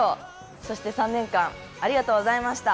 そして３年間ありがとうございました。